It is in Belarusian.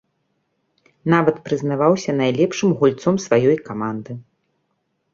Нават прызнаваўся найлепшым гульцом сваёй каманды.